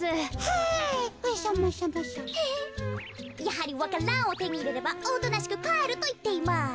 やはりわか蘭をてにいれればおとなしくかえるといっています。